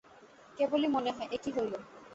কেবলই মনে হয়, এ কী হইল!